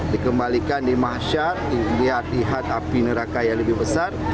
dikembalikan di masyat lihat lihat api neraka yang lebih besar